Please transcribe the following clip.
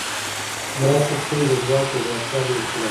مرسته د ټولنې د ځواک د زیاتوالي وسیله ده.